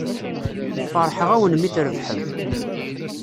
Feṛḥeɣ-awen mi trebḥem.